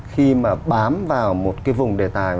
khi mà bám vào một vùng đề tài